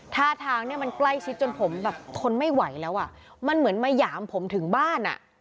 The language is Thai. ท่าทางเนี่ยมันใกล้ชิดจนผมแบบทนไม่ไหวแล้วอ่ะมันเหมือนมาหยามผมถึงบ้านอ่ะ